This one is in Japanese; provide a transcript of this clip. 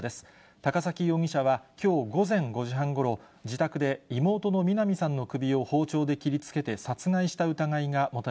高崎容疑者はきょう午前５時半ごろ、自宅で妹のみな美さんの首を包丁で切りつけて殺害した疑いが持た